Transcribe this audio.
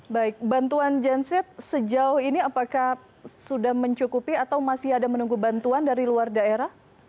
baik bantuan genset sejauh ini apakah sudah mencukupi atau masih ada menunggu bantuan dari luar daerah